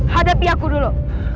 hadapi aku dulu